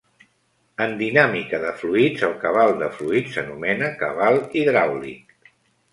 En dinàmica de fluids, el cabal de fluid s'anomena cabal hidràulic.